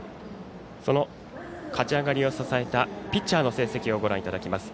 その勝ち上がりを支えたピッチャーの成績をご覧いただきます。